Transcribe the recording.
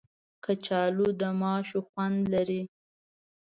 کچالو د ماشو خوند لري